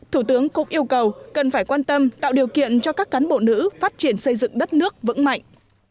thủ tướng cũng yêu cầu cần phải quan tâm tạo điều kiện cho các cán bộ nữ phát triển xây dựng đất nước vững mạnh